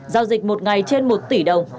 giao dịch một ngày trên một tỷ đồng